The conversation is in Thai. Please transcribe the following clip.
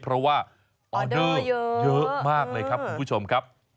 เพราะว่าออเดอร์เยอะมากเลยครับคุณผู้ชมครับ